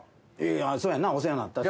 そうやな、お世話になったし。